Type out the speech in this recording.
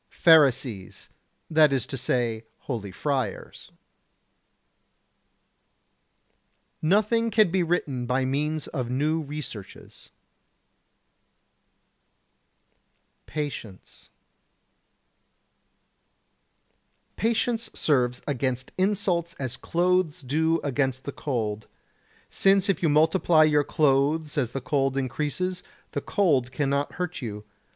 106. Pharisees, that is to say, holy friars. 107. Nothing can be written by means of new researches. [Sidenote: Patience] 108. Patience serves against insults as clothes do against the cold; since if you multiply your clothes as the cold increases, the cold cannot hurt you.